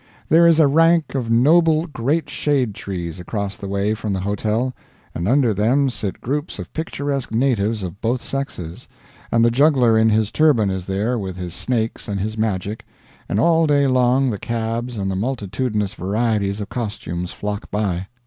There is a rank of noble great shade trees across the way from the hotel, and under them sit groups of picturesque natives of both sexes; and the juggler in his turban is there with his snakes and his magic; and all day long the cabs and the multitudinous varieties of costumes flock by.